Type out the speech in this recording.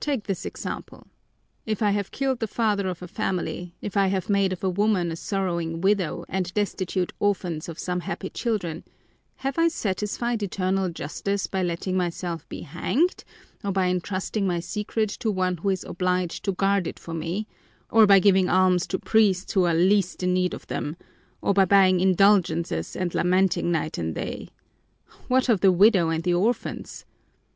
Take this example: if I have killed the father of a family, if I have made of a woman a sorrowing widow and destitute orphans of some happy children, have I satisfied eternal Justice by letting myself be hanged, or by entrusting my secret to one who is obliged to guard it for me, or by giving alms to priests who are least in need of them, or by buying indulgences and lamenting night and day? What of the widow and the orphans?